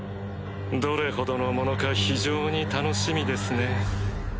どれほどのものか非常に楽しみですね。